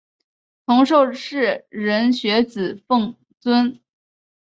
同受士人学子尊奉。